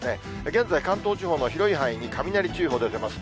現在、関東地方の広い範囲に雷注意報出てます。